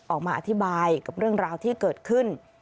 ออกมาอธิบายกับเรื่องราวที่เกิดขึ้น